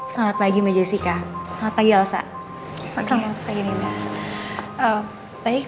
selamat pagi meja sih kah apa ya syaaf pagi pagi rinda baik